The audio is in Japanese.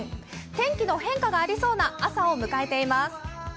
天気の変化がありそうな朝を迎えています。